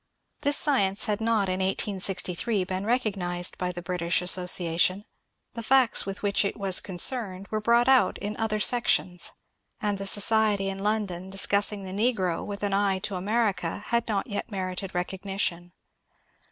This science had not in 1863 been recognized by the British Association ; the facts with which it was concerned were brought out in other sections, and the society in London discussing the n^ro with an eye to America had not yet merited recognition.